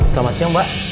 selamat siang mbak